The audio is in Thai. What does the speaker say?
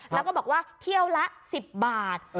แล้วก็บอกว่าเที่ยวละ๑๐บาท